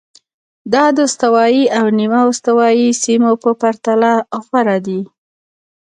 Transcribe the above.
دا د استوایي او نیمه استوایي سیمو په پرتله غوره دي.